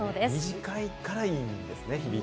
短いからいいんですね。